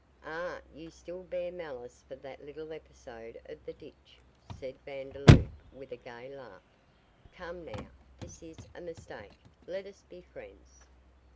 'Ah, you still bear malice for that little episode of the ditch,' said Vandeloup with a gay laugh. 'Come, now, this is a mistake; let us be friends.